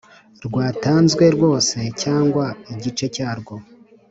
rwatanzwe rwose cyangwa igice cyarwo